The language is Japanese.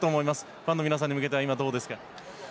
ファンの皆さんに向けてはどうですか？